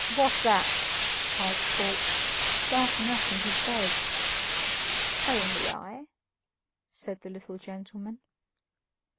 "What's that?" cried Schwartz, starting up in his bed. "Only I," said the little gentleman.